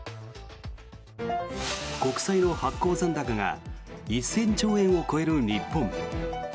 国債の発行残高が１０００兆円を超える日本。